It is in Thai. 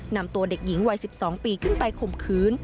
นำตัวเด็กหญิงวัย๑๒ปีขึ้นไปข่มขืน